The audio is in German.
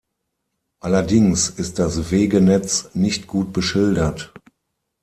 Allerdings ist das Wegenetz nicht gut beschildert.